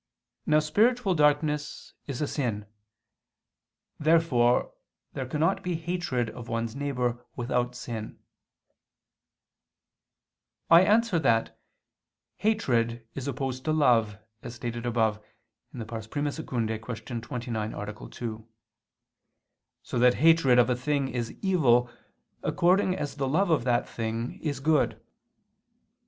Now spiritual darkness is sin. Therefore there cannot be hatred of one's neighbor without sin. I answer that, Hatred is opposed to love, as stated above (I II, Q. 29, A. 2); so that hatred of a thing is evil according as the love of that thing is good.